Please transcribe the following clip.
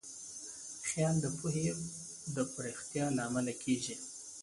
خیال د پوهې د پراختیا لامل کېږي.